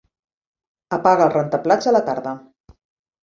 Apaga el rentaplats a la tarda.